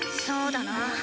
そうだな。